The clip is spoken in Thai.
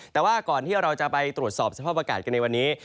แต่ว่าก่อนที่เราจะไปตรวจสอบสภาพอากาศกันในวันนี้